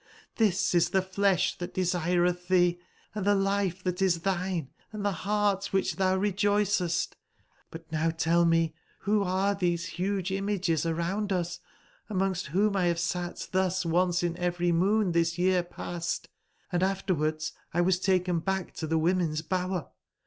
XThis is the flesh that desireth thee, and the life that is thine, and the heart which thou rejoicest. m4 167 But now tell mc, who arc these huge images around us, amongst whom 1 have sat thus, once in every moon this year past, & afterwards X was tahen back to the women's bower?